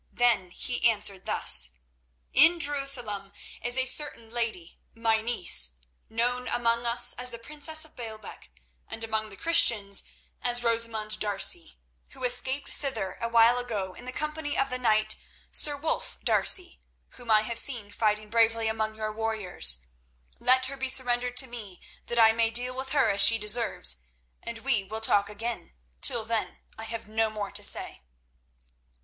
Then he answered thus: "In Jerusalem is a certain lady, my niece, known among us as the princess of Baalbec, and among the Christians as Rosamund D'Arcy, who escaped thither a while ago in the company of the knight, Sir Wulf D'Arcy, whom I have seen fighting bravely among your warriors. Let her be surrendered to me that I may deal with her as she deserves, and we will talk again. Till then I have no more to say."